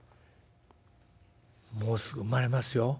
「もうすぐ生まれますよ」。